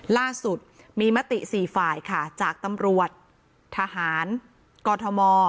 ล่าสุดมีมติ๔ฝ่ายค่ะจากตำรวจทหารกอทม